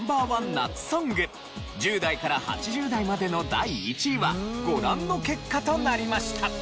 夏ソング１０代から８０代までの第１位はご覧の結果となりました。